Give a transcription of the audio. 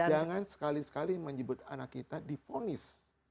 jangan sekali sekali menyebut anak kita difonis